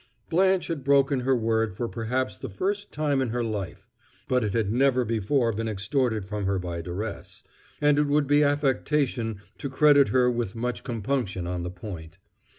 Blanche had broken her word for perhaps the first time in her life; but it had never before been extorted from her by duress, and it would be affectation to credit her with much compunction on the point.